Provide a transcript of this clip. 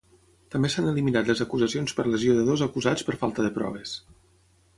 També s'han eliminat les acusacions per lesió de dos acusats per falta de proves.